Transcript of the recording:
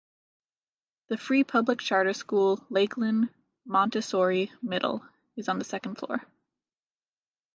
The free public charter school, Lakeland Montessori Middle is on the second floor.